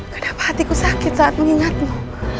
kenapa hatiku sakit saat mengingatmu